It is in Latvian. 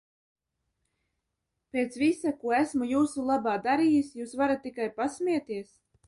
Pēc visa, ko esmu jūsu labā darījis jūs varat tikai pasmieties?